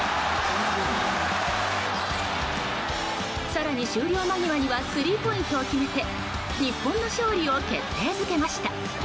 更に終了間際にはスリーポイントを決めて日本の勝利を決定づけました。